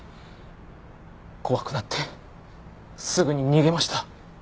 怖くなってすぐに逃げました。